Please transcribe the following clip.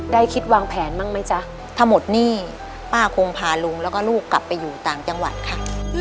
ได้คิดวางแผนบ้างไหมจ๊ะถ้าหมดหนี้ป้าคงพาลุงแล้วก็ลูกกลับไปอยู่ต่างจังหวัดค่ะ